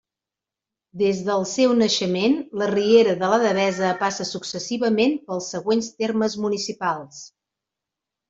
Des del seu naixement, la Riera de la Devesa passa successivament pels següents termes municipals.